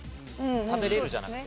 「食べれる」じゃなくて。